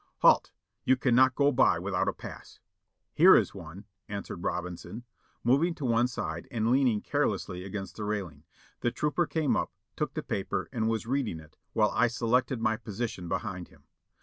"Halt! You cannot go by without a pass." "Here is one," answered Robinson, moving to one side and leaning carelessly against the railing. The trooper came up, took the paper and was reading it, while I selected my position behind him.